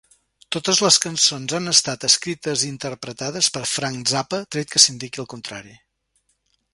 Totes les cançons han estat escrites i interpretades per Frank Zappa, tret que s'indiqui el contrari.